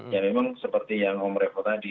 ya memang seperti yang om revo tadi